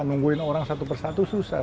nungguin orang satu persatu susah